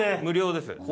無料です。